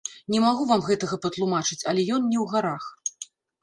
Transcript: Не магу вам гэтага патлумачыць, але ён не ў гарах.